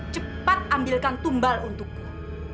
cepat ambilkan tumbal untukku